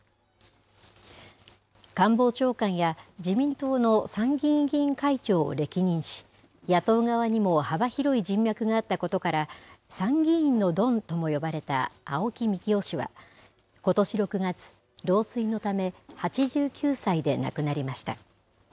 官房長官や自民党の参議院議員会長を歴任し、野党側にも幅広い人脈があったことから、参議院のドンとも呼ばれた青木幹雄氏は、ことし６月、老衰のため８９歳で亡くなりました。